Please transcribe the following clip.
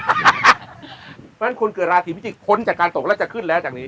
เพราะฉะนั้นคนเกิดราศีพิจิกษ้นจากการตกแล้วจะขึ้นแล้วจากนี้